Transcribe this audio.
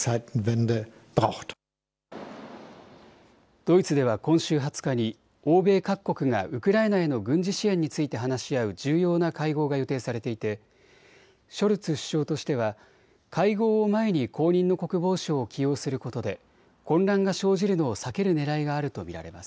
ドイツでは今週２０日に欧米各国がウクライナへの軍事支援について話し合う重要な会合が予定されていてショルツ首相としては会合を前に後任の国防相を起用することで混乱が生じるのを避けるねらいがあると見られます。